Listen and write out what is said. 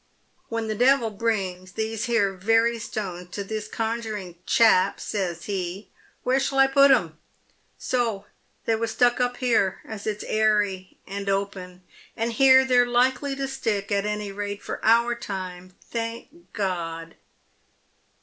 ""When the devil brings these here very stones to this con juring chap, says he, ' "Where shall I put 'em ?' So they was stuck up here, as it's airy and open, and here they're likely to stick, at any rate for our time, thank G od